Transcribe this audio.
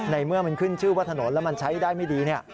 เมื่อมันขึ้นชื่อว่าถนนแล้วมันใช้ได้ไม่ดี